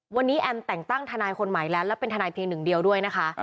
วันนี้แอมแต่งตั้งทนายคนใหม่แล้วและเป็นทนายเพียงหนึ่งเดียวด้วยนะคะ